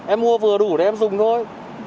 em mua vừa đủ để em dùng thôi